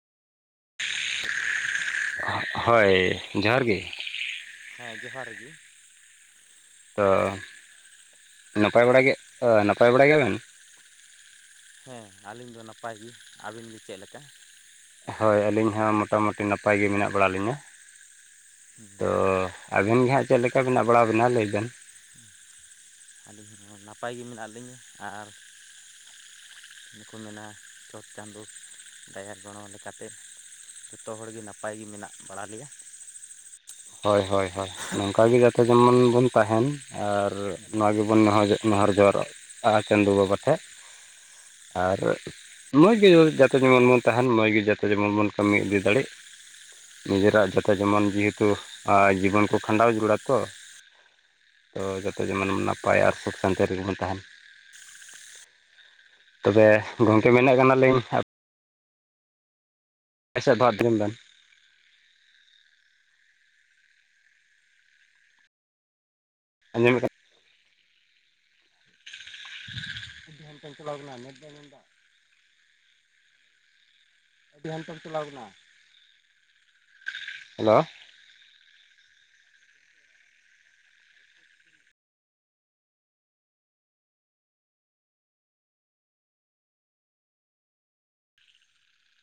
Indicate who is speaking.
Speaker 1: [inaudible] ᱦᱳᱭ ᱡᱚᱦᱟᱨ ᱜᱮ ᱾
Speaker 2: ᱦᱮᱸ ᱡᱚᱦᱟᱨ ᱜᱤ᱾
Speaker 1: ᱛᱚ ᱱᱟᱯᱟᱭ ᱵᱟᱲᱟ ᱜᱮ ᱱᱟᱯᱟᱭ ᱵᱟᱲᱟ ᱜᱮᱭᱟᱵᱮᱱ?
Speaker 2: ᱦᱮᱸ ᱟᱹᱞᱤᱧ ᱫᱚ ᱱᱟᱯᱟᱭ ᱜᱮ ᱟᱹᱵᱤᱱ ᱜᱮ ᱪᱮᱫ ᱞᱮᱠᱟ?
Speaker 1: ᱦᱳᱭ ᱟᱹᱞᱤᱧ ᱦᱚᱸ ᱢᱚᱴᱟ ᱢᱩᱴᱤ ᱱᱟᱯᱟᱭ ᱜᱮ ᱢᱮᱱᱟᱜ ᱵᱟᱲᱟ ᱞᱤᱧᱼᱟ [inaudible] ᱛᱚ ᱟᱵᱮᱱ ᱜᱮ ᱦᱟᱸᱜ ᱪᱮᱫ ᱞᱮᱠᱟ ᱢᱮᱱᱟᱜ ᱵᱟᱲᱟ ᱵᱮᱱᱟ ᱞᱟᱹᱭᱵᱤᱱ?
Speaker 2: [inaudible] ᱟᱹᱞᱤᱧ ᱦᱚᱸ ᱱᱟᱯᱟᱭ ᱜᱮ ᱢᱮᱱᱟᱜ ᱞᱤᱧᱟ ᱟᱨ ᱚᱱᱮ ᱠᱩ ᱢᱮᱱᱟ ᱪᱷᱚᱴ ᱪᱟᱸᱫᱳ ᱫᱟᱭᱟ ᱜᱚᱲᱚ ᱞᱮᱠᱟᱛᱮ ᱡᱷᱚᱛᱚ ᱦᱚᱲᱜᱮ ᱱᱟᱯᱟᱭᱜ ᱜᱮ ᱢᱮᱱᱟᱜ ᱵᱟᱲᱟ ᱞᱮᱭᱟ ᱾
Speaker 1: ᱦᱳᱭ ᱦᱳᱭ ᱦᱳᱭ ᱱᱚᱝᱠᱟ ᱜᱮ ᱡᱟᱛᱮ ᱡᱮᱢᱚᱱ ᱵᱚᱱ ᱛᱟᱦᱮᱱ ᱟᱨ ᱱᱚᱣᱟ ᱜᱮᱵᱚᱱ ᱱᱮᱦᱚᱨᱚᱜ ᱱᱚᱦᱚᱨ ᱡᱚᱦᱨᱚᱜᱼᱟ ᱪᱟᱸᱫᱚ ᱵᱟᱵᱟ ᱴᱷᱮᱡ ᱟᱨ ᱢᱚᱡᱽ ᱜᱮ ᱡᱟᱛᱮ ᱡᱮᱢᱚᱱ ᱵᱚᱱ ᱛᱟᱦᱮᱱ ᱢᱚᱡᱽ ᱜᱮ ᱡᱟᱛᱮ ᱡᱮᱢᱚᱱ ᱵᱚᱱ ᱠᱟᱹᱢᱤ ᱤᱫᱤ ᱫᱟᱲᱮᱜ ᱱᱤᱡᱮᱨᱟᱜ ᱡᱟᱛᱮ ᱡᱮᱢᱚᱱ ᱡᱮᱦᱮᱛᱩ ᱡᱤᱵᱚᱱ ᱠᱚ ᱠᱷᱟᱸᱰᱟᱣ ᱡᱟᱹᱨᱩᱲᱟ ᱛᱚ ᱛᱚ ᱡᱚᱛᱚ ᱡᱮᱢᱚᱱ ᱱᱟᱯᱟᱭᱟ ᱟᱨ ᱥᱩᱠ ᱥᱟᱱᱛᱮ ᱨᱮᱜᱮ ᱵᱚᱱ ᱛᱟᱦᱮᱱ᱾ ᱛᱚᱵᱮ ᱜᱚᱝᱠᱮ ᱢᱮᱱᱮᱫ ᱠᱟᱱᱟᱞᱤᱧ [unintelligible] ᱵᱟᱨ ᱫᱷᱮᱢ ᱜᱟᱱ ᱟᱸᱡᱚᱢ [inaudible] [inaudible] ᱦᱮᱞᱳ,